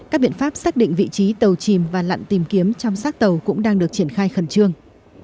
các biện pháp xác định vị trí tàu chìm và lặn tìm kiếm trong sát tàu cũng đang được triển khai khẩn trương